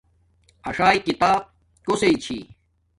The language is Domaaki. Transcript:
اݽݵ کتاب کوسݵ چھی